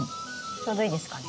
ちょうどいいですかね。